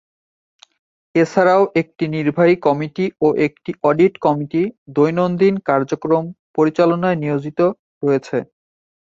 এছাড়াও একটি নির্বাহী কমিটি ও একটি অডিট কমিটি দৈনন্দিন কার্যক্রম পরিচলনায় নিয়োজিত রয়েছে।